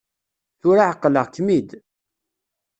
Tura εeqleɣ-kem-id.